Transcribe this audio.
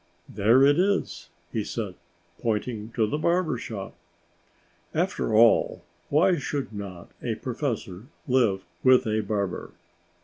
"There it is," he said, pointing to the barber's shop. After all, why should not a professor live with a barber?